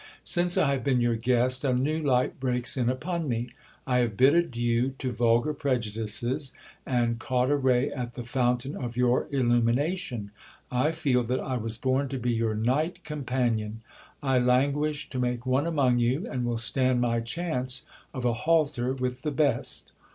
Since I have been your guest, a new light breaks in upon me. I have bid adieu to vulgar prejudices, and caught a ray at the fountain of your illumination. I feel that I was born to be your knight companion. I languish to make one among you, and will stand my chance of a halter with the best.